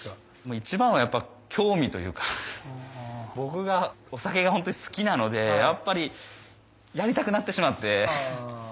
一番は興味というか僕がお酒がホントに好きなのでやっぱりやりたくなってしまって。